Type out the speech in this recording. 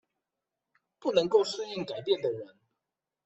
不能夠適應改變的人